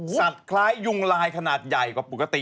คล้ายยุงลายขนาดใหญ่กว่าปกติ